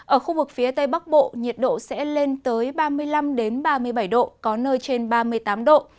ở khu vực phía tây bắc bộ nhiệt độ sẽ lên tới ba mươi năm ba mươi bảy độ có nơi trên ba mươi tám độ